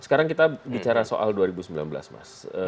sekarang kita bicara soal dua ribu sembilan belas mas